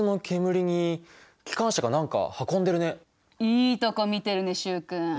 いいとこ見てるね習君。